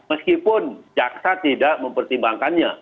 meskipun jaksa tidak mempertimbangkannya